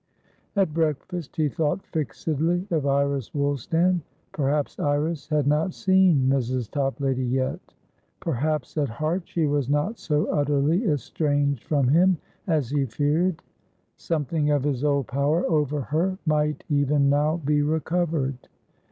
At breakfast he thought fixedly of Iris Woolstan. Perhaps Iris had not seen Mrs. Toplady yet. Perhaps, at heart, she was not so utterly estranged from him as he feared; something of his old power over her might even now be recovered.